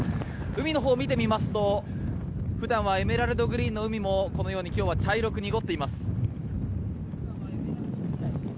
海のほう見てみますと普段はエメラルドグリーンの海もこのように今日は茶色く濁っています。